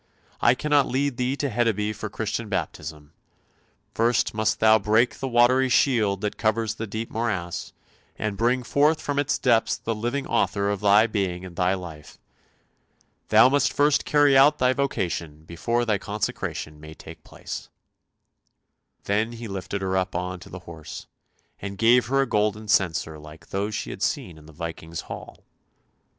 I cannot lead thee to Hedeby for Christian baptism ; first must thou break the watery shield that covers the deep morass, and bring forth from its depths the living author of thy being and thy life; thou must first carry out thy vocation before thy consecration may take place! " THE MARSH KING'S DAUGHTER 297 Then he lifted her up on to the horse, and gave her a golden censer like those she had seen in the Viking's hall.